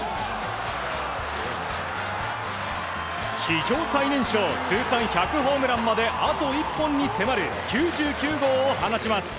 史上最年少通算１００ホームランまであと１本に迫る９９号を放ちます。